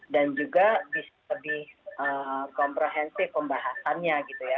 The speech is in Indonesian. dan juga bisa lebih komprehensif pembahasannya gitu ya